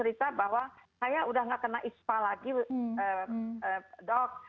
ibu ibu selalu cerita bahwa saya sudah tidak kena ispa lagi dok